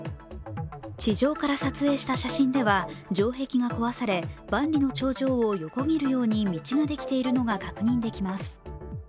地上から撮影した写真では城壁が壊され、万里の長城を横切るように道ができているのが確認できます。